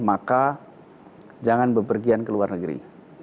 maka jangan bepergian ke luar negeri